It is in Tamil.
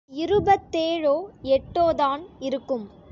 இருபத்தேழோ எட்டோதான் இருக்கும்.